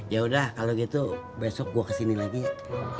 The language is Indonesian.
yaudah kalau gitu besok gue kesini lagi ya